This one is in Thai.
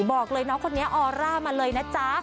บอกเลยน้องคนนี้ออร่ามาเลยนะจ๊ะ